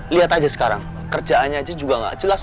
lihat aja sekarang kerjaannya aja juga nggak jelas